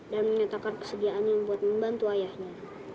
dan menyatakan kesediaannya untuk membantu ayahnya